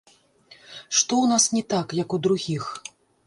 Што ў нас не так, як у другіх?